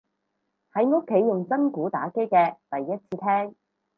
喺屋企用真鼓打機嘅第一次聽